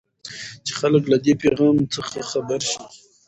چې خلک له دې پيفام څخه خبر شي.